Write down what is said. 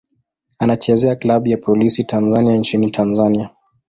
Anachezea klabu ya Polisi Tanzania nchini Tanzania.